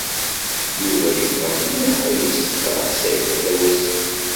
Yuba yebɣa mliḥ ad yessefṛeḥ Saɛida Tawasift.